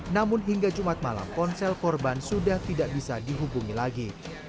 namun hingga jumat malam ponsel korban sudah tidak bisa dihubungi lagi